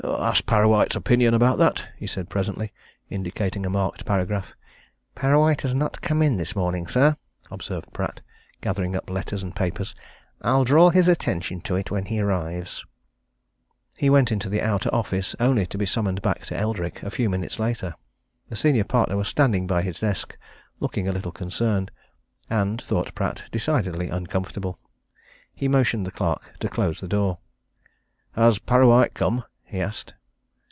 "Ask Parrawhite's opinion about that," he said presently, indicating a marked paragraph. "Parrawhite has not come in this morning, sir," observed Pratt, gathering up letters and papers. "I'll draw his attention to it when he arrives." He went into the outer office, only to be summoned back to Eldrick a few minutes later. The senior partner was standing by his desk, looking a little concerned, and, thought Pratt, decidedly uncomfortable. He motioned the clerk to close the door. "Has Parrawhite come?" he asked.